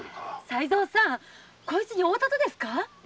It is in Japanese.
才三さんこいつに会うたとですか？